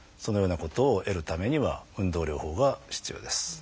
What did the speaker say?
そのようなことを得るためには運動療法が必要です。